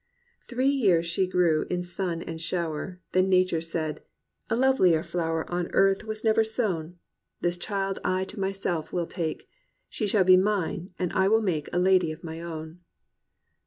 "Three years she grew in sun and shower. Then Nature said, *A lov^ier flower 212 THE RECOVERY OF JOY On earth was never sown; This Child I to myself will take; She shall be mine, and I will make A Lady of my own.